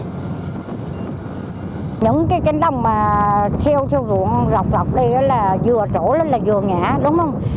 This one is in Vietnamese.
những cánh đồng theo dụng rọc rọc đây là vừa trổ lên là vừa ngã đúng không